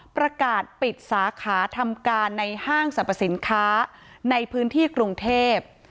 ประกาศปิดสาขาทำการในห้างสรรพสินค้าในพื้นที่กรุงเทพ